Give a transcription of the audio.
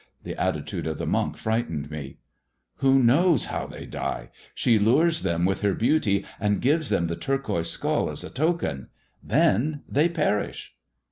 The attitude of the ■ frightened me. " Who knows how they die 1 She lures them wiUi i| beauty, and gives them the turquoise skull a Then they perish."